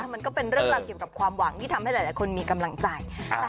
มันก็เป็นเรื่องราวเกี่ยวกับความหวังที่ทำให้หลายคนมีกำลังใจ